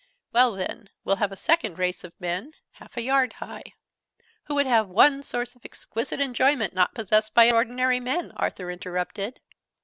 "Well, then we'll have a second race of men, half a yard high "" who would have one source of exquisite enjoyment, not possessed by ordinary men!" Arthur interrupted.